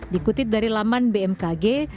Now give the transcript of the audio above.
dikutip dari laman bmkg